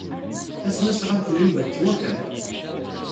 Tasnasɣalt n Yuba tettwaker.